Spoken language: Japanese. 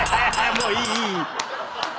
もういい！